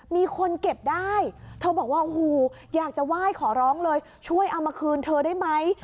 มีคนเก็บได้เธอบอกว่าโอ้โหอยากจะไหว้ขอร้องเลยช่วยเอามาคืนเธอได้ไหม